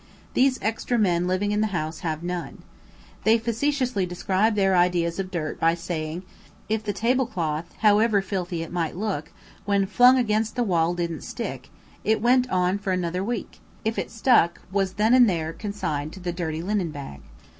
These extra men living in the house have none. They facetiously describe their ideas of dirt by saying, if the table cloth, however filthy it might look, when flung against the wall didn't stick, it went on for another week; if it stuck, was then and there consigned to the dirty linen bag.